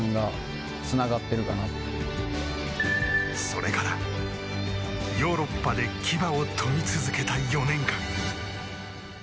それからヨーロッパで牙を研ぎ続けた４年間。